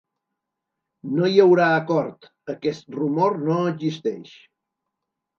No hi haurà acord, aquest rumor no existeix.